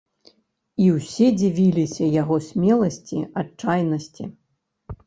І ўсе дзівіліся яго смеласці, адчайнасці.